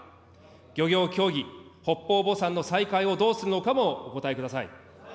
漁業協議、北方墓参の再開をどうするのかもお答えください。